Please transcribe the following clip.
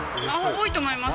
多いと思います。